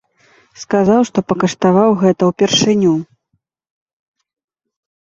Сказаў, што пакаштаваў гэта ўпершыню.